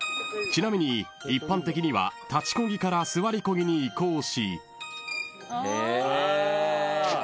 ［ちなみに一般的には立ちこぎから座りこぎに移行し］